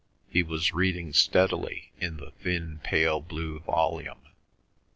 He was reading steadily in the thin pale blue volume.